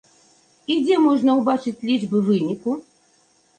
І дзе можна ўбачыць лічбы выніку?